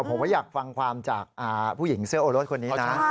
ผมก็อยากฟังความจากผู้หญิงเสื้อโอรสคนนี้นะ